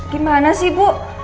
gimana sih bu